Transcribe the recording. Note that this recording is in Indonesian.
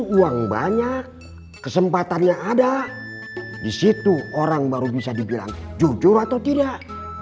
uang banyak kesempatannya ada disitu orang baru bisa dibilang jujur atau tidak